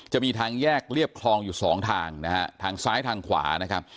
จะมีทางแยกเรียบคลองอยู่สองทางนะฮะทางซ้ายทางขวานะครับ